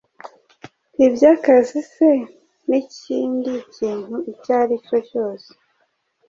iby’akazi se n’ikindi kintu icyo ari cyo cyose